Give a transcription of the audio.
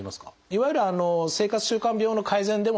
いわゆる生活習慣病の改善でもですね